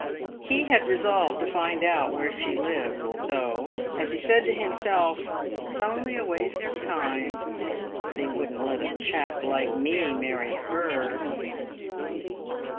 He had resolved to find out where she lived, though, as he said to himself, "It's only waste of time. They wouldn't let a chap like me marry her."